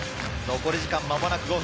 残り時間、間もなく５分。